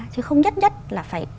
chứ không nhất nhất là phải